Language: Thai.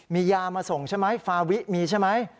มียามาส่งใช่ไหมฟาวิมีใช่ไหม